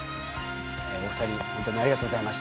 お二人ほんとにありがとうございました。